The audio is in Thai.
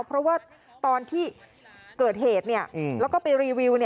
เพราะว่าตอนที่เกิดเหตุแล้วก็ไปรีวิว